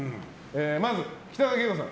まず北川景子さん。